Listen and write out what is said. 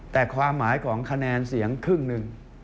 แต่ความหมายของคะแนนเสียงครึ่งหนึ่ง